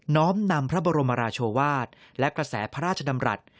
้อมนำพระบรมราชวาสและกระแสพระราชดำรัฐ